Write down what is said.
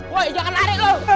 woi jangan lari lo